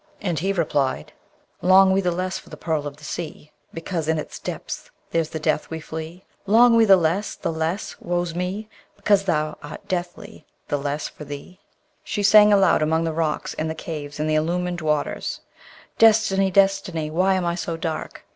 And he replied: Long we the less for the pearl of the sea Because in its depths there 's the death we flee? Long we the less, the less, woe's me! Because thou art deathly, the less for thee? She sang aloud among the rocks and the caves and the illumined waters: Destiny! Destiny! why am I so dark?